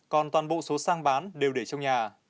còn toàn bộ số sang bán đều để trong nhà